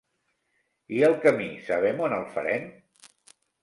I el camí sabem on el farem?